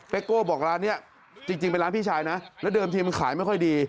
โก้บอกร้านนี้จริงเป็นร้านพี่ชายนะแล้วเดิมทีมันขายไม่ค่อยดี